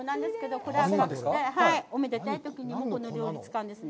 これはおめでたいときにこの料理を使うんですよね。